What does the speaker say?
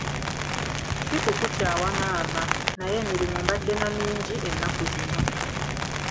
Si kukukyawa maama, naye emirimu mbadde na mingi ennaku zino.